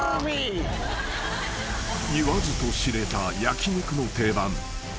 ［言わずと知れた焼き肉の定番］